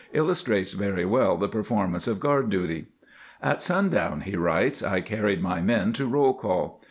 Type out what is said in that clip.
illustrates very well the per formance of guard duty. " At sundown," he writes, " I carried my men to roll call.